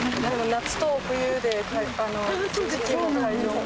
夏と冬で、時期も会場も。